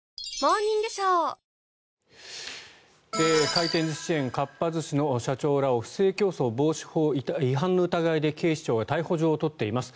回転寿司チェーンかっぱ寿司の社長らを不正競争防止法違反の疑いで警視庁が逮捕状を取っています。